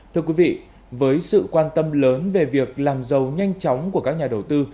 thưa quý vị với sự quan tâm lớn về việc làm giàu nhanh chóng của các nhà đầu tư